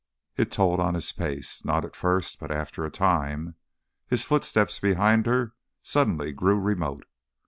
It told on his pace not at first, but after a time. His footsteps behind her suddenly grew remote.